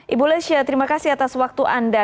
ibu lesha terima kasih atas waktu anda